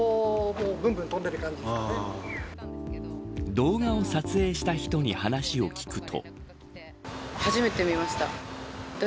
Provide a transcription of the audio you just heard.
動画を撮影した人に話を聞くと。